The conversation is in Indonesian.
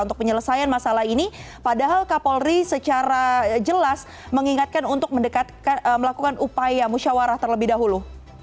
untuk penyelesaian masalah ini padahal kapolri secara jelas mengingatkan untuk melakukan upaya musyawarah terlebih dahulu